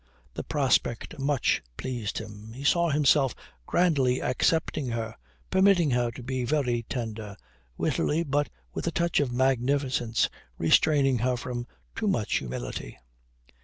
The prospect much pleased him. He saw himself grandly accepting her; permitting her to be very tender; wittily, but with a touch of magnificence, restraining her from too much humility....